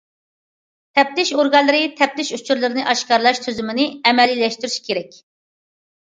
تەپتىش ئورگانلىرى تەپتىش ئۇچۇرلىرىنى ئاشكارىلاش تۈزۈمىنى ئەمەلىيلەشتۈرۈشى كېرەك.